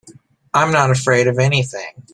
I'm not afraid of anything.